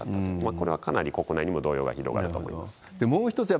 これはかなり国内にも動揺が広がったと思います。